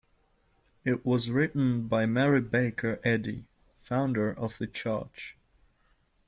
It was written by Mary Baker Eddy, founder of the church.